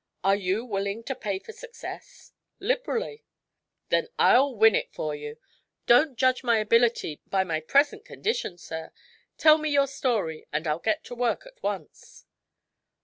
"Are you willing to pay for success?" "Liberally." "Then I'll win it for you. Don't judge my ability by my present condition, sir. Tell me your story and I'll get to work at once."